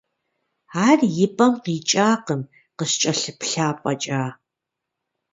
Ар и пӀэм къикӀакъым, къыскӀэлъыплъа фӀэкӀа.